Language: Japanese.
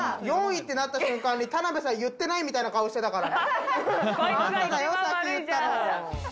４位ってなった瞬間、田辺さんが言ってないみたいな顔してるから。